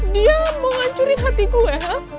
dia mau hancurin hati gue